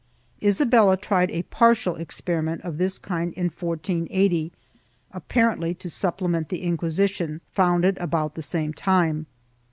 Isabella tried a partial experiment of this kind in 1480, appar ently to supplement the Inquisition, founded about the same time.